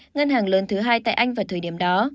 ngân hàng lớn thứ hai tại anh vào thời điểm đó